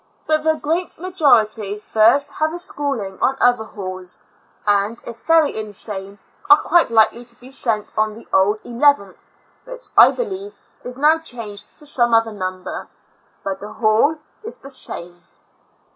But the great majority first have a school ing on other halls, and, if very insane, are quite likely to be sent on the old eleventh, which, I believe, is now changed to some other number, but the hall is the same.